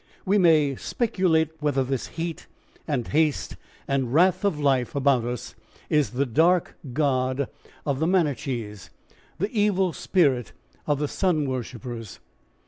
We may speculate whether this heat and haste and wrath of life about us is the Dark God of the Manichees, the evil spirit of the sun worshippers.